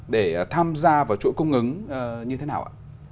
để tham gia vào chuỗi cung ứng như thế nào ạ